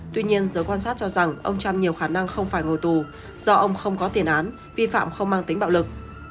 tuy nhiên giới quan sát cho rằng ông trump nhiều khả năng không phải ngồi tù do ông không có tiền án vi phạm không mang tính bạo lực